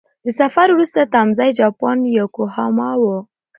د سفر وروستی تمځی جاپان یوکوهاما و.